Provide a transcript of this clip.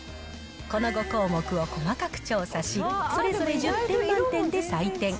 この５項目を細かく調査し、それぞれ１０点満点で採点。